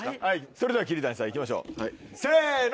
それでは桐谷さんいきましょうせの！